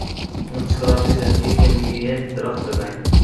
مسکراتی زندگی کے لیے درخت لگائیں۔